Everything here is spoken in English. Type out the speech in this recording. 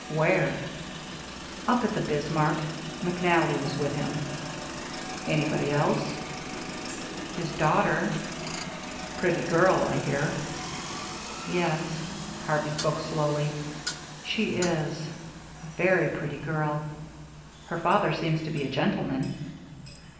"Where?" "Up at the Bismarck. McNally was with him." "Anybody else?" "His daughter." "Pretty girl, I hear." "Yes," Harvey spoke slowly, "she is. A very pretty girl. Her father seems to be a gentleman."